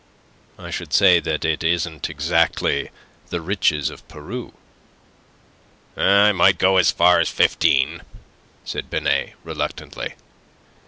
"I should say that it isn't exactly the riches of Peru." "I might go as far as fifteen," said Binet, reluctantly.